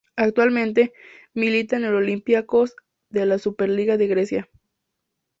Actualmente milita en el Olympiacos de la Superliga de Grecia.